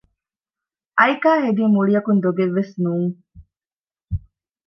އައިކާ ހެދީ މުޅިއަކުން ދޮގެއްވެސް ނޫން